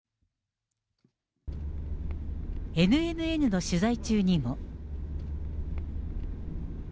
ＮＮＮの取材中にも。